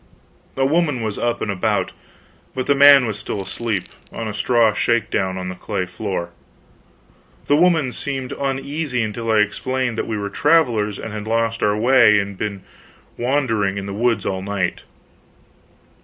A woman was up and about, but the man was still asleep, on a straw shake down, on the clay floor. The woman seemed uneasy until I explained that we were travelers and had lost our way and been wandering in the woods all night.